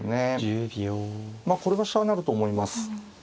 まあこれは飛車成ると思います。